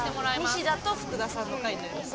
ニシダと福田さんの回になります。